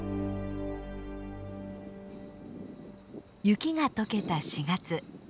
雪が解けた４月。